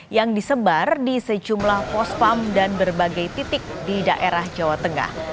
yang disebar di sejumlah pospam dan berbagai titik di daerah jawa tengah